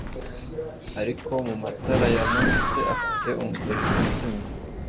Ariko mumatarayamanutse afite umusatsi wijimye